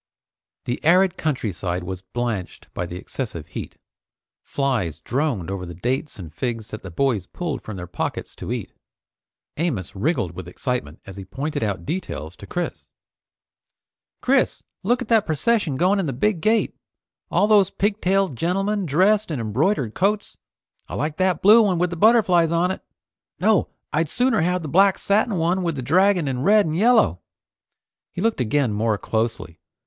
The arid countryside was blanched by the excessive heat. Flies droned over the dates and figs that the boys pulled from their pockets to eat. Amos wriggled with excitement as he pointed out details to Chris. "Chris! Look at that procession going in the big gate! All those pigtailed gentlemen dressed in embroidered coats. I like that blue one with butterflies on it. No, I'd sooner have the black satin one with the dragon in red and yellow!" He looked again more closely.